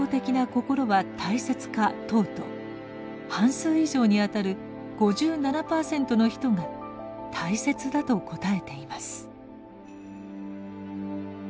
問うと半数以上にあたる５７％の人が「大切だ」と答えています。